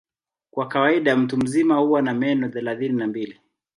Kwa kawaida mtu mzima huwa na meno thelathini na mbili.